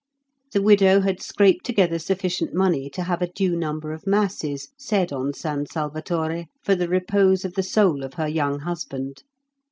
The widow had scraped together sufficient money to have a due number of masses said on San Salvatore for the repose of the soul of her young husband.